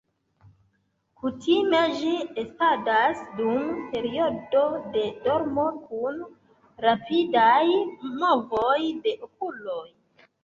Kutime ĝi estadas dum periodo de dormo kun rapidaj movoj de okuloj.